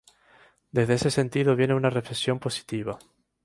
Desde este sentido viene una recepción positiva.